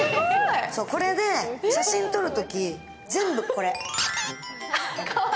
これで写真撮るとき、全部これ。